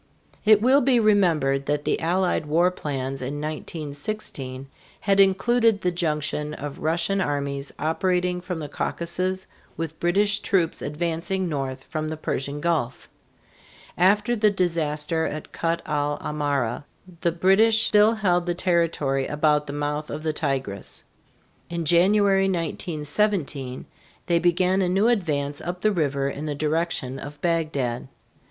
It will be remembered that the Allied war plans in 1916 had included the junction of Russian armies operating from the Caucasus with British troops advancing north from the Persian Gulf. After the disaster at Kut el Amara the British still held the territory about the mouth of the Tigris. In January, 1917, they began a new advance up the river in the direction of Bagdad.